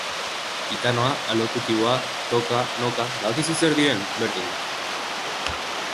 Hitanoa, alokutiboa, toka, noka... Badakizu zer diren? Berdin da!